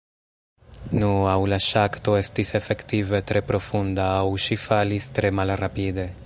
Nu, aŭ la ŝakto estis efektive tre profunda, aŭ ŝi falis tre malrapide.